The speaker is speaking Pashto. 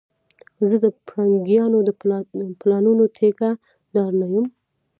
زه د پرنګيانو د پلانونو ټيکه دار نه یم